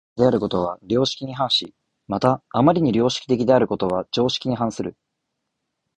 余りに常識的であることは良識に反し、また余りに良識的であることは常識に反する。